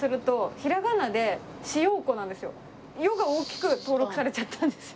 「よ」が大きく登録されちゃったんですよ。